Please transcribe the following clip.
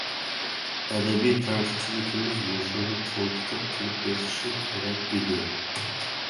ئەدەبىي تەنقىدچىلىكىمىز مۇشۇنى قول تىقىپ قىلىپ بېقىشى كېرەك ئىدى.